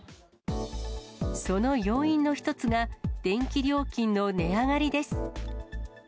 その要因の一つが、電気料金の値上がりです。